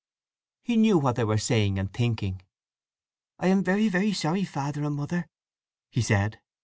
He knew what they were saying and thinking. "I am very, very sorry, Father and Mother," he said.